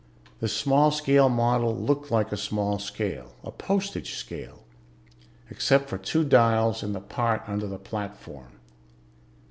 The small scale model looked like a small scale a postage scale except for two dials in the part under the platform.